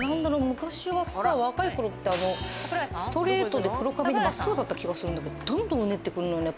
昔はさ若い頃ってストレートで黒髪で真っすぐだった気がするんだけどどんどんうねってくるのよね。